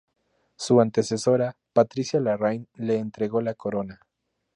Su antecesora, Patricia Larraín, le entregó la corona.